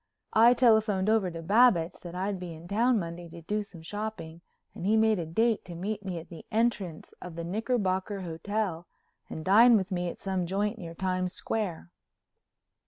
I telephoned over to Babbitts that I'd be in town Monday to do some shopping, and he made a date to meet me at the entrance of the Knickerbocker Hotel and dine with me at some joint near Times Square.